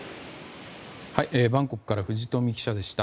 バンコクから藤富記者でした。